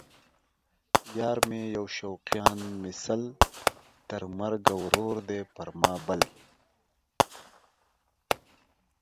یار مې یو شوقیان مې سل ـ تر مرګه ورور دی پر ما بل